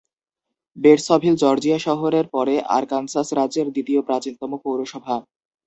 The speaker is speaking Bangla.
বেটসভিল জর্জিয়া শহরের পরে আরকানসাস রাজ্যের দ্বিতীয় প্রাচীনতম পৌরসভা।